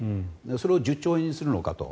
それを１０兆円にするのかと。